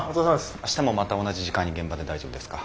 明日もまた同じ時間に現場で大丈夫ですか？